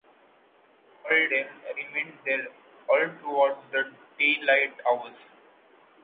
"Alden" remained there throughout the daylight hours.